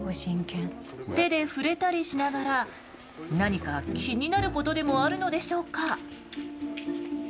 手で触れたりしながら何か気になることでもあるのでしょうか。